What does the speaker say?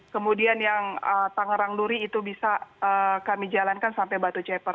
kemudian yang tangerang duri itu bisa kami jalankan sampai batu ceper